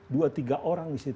dua tiga orang misalnya